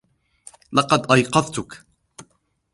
لقد أيقظتُك.